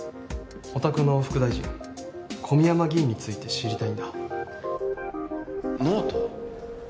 おたくの副大臣小宮山議員について知りたいんだ。